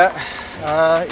selamat siang pak uya